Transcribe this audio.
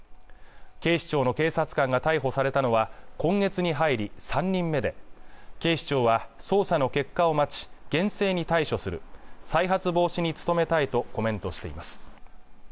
警視庁の警察官が逮捕されたのは今月に入り３人目で警視庁は捜査の結果を待ち厳正に対処する再発防止に努めたいとコメントしています